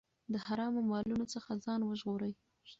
د حرامو مالونو څخه ځان وژغورئ.